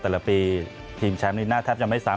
แต่ละปีทีมแชมป์ลีน่าแทบจะไม่ซ้ำ